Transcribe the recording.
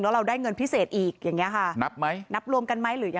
อย่างนี้ค่ะเราก็ต้องมีและหรือ